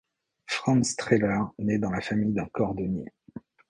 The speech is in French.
Franz Treller naît dans la famille d'un cordonnier.